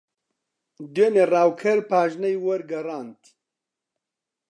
دوێنێ ڕاوکەر پاژنەی وەرگەڕاند.